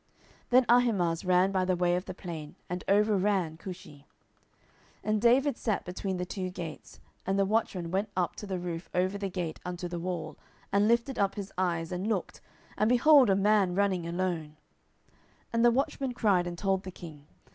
Then Ahimaaz ran by the way of the plain, and overran Cushi. 10:018:024 And David sat between the two gates: and the watchman went up to the roof over the gate unto the wall, and lifted up his eyes, and looked, and behold a man running alone. 10:018:025 And the watchman cried, and told the king.